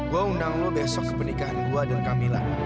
gue undang lo besok ke pernikahan gue dan kamila